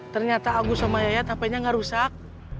ternyata aku sama yaya hpnya gak rusak